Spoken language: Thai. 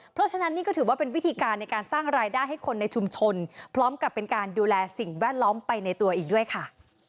เพราะฉะนั้นนี่ก็ถือว่าเป็นวิธีการในการสร้างรายได้ให้คนในชุมชนพร้อมกับเป็นการดูแลสิ่งแวดล้อมไปในตัวอีกด้วยค่ะ